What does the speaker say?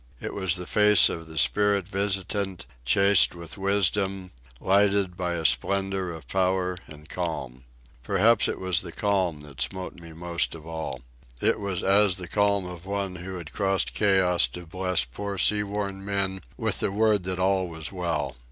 It was the face of the spirit visitant, chaste with wisdom, lighted by a splendour of power and calm. Perhaps it was the calm that smote me most of all. It was as the calm of one who had crossed chaos to bless poor sea worn men with the word that all was well.